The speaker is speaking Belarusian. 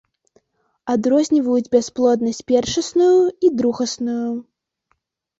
Адрозніваюць бясплоднасць першасную і другасную.